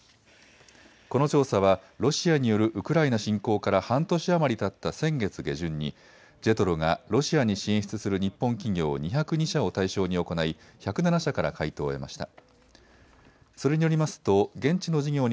この調査はロシアによるウクライナ侵攻から半年余りたった先月下旬にＪＥＴＲＯがロシアに進出する日本企業２０２社を対象に行い１０７社から回答を得ました。